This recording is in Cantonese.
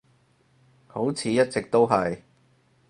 好似一直都係